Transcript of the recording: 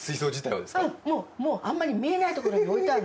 あんまり見えないところに置いてあるの。